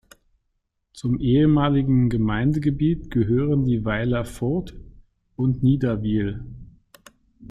Zum ehemaligen Gemeindegebiet gehören die Weiler "Furth" und "Niederwil".